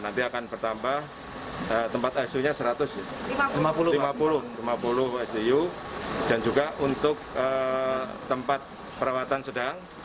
nanti akan bertambah tempat icu nya satu ratus lima puluh icu dan juga untuk tempat perawatan sedang